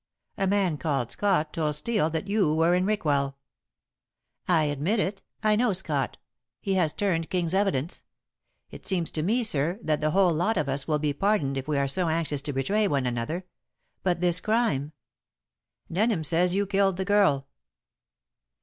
"A man called Scott told Steel that you were in Rickwell." "I admit it. I know Scott. He has turned King's evidence. It seems to me, sir, that the whole lot of us will be pardoned if we are so anxious to betray one another. But this crime " "Denham says you killed the girl."